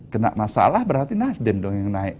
kena masalah berarti nasdem dong yang naik